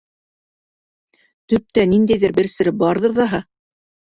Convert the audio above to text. Төптә ниндәйҙер бер сере барҙыр ҙаһа?